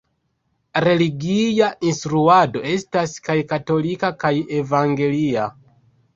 Religia instruado estas kaj katolika kaj evangelia.